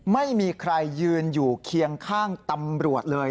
ไม่มีใครยืนอยู่เคียงข้างตำรวจเลย